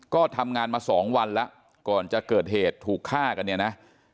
ก็ทำงานมา๒วันแล้วก่อนจะเกิดเหตุถูกฆ่ากันเนี่ยนะ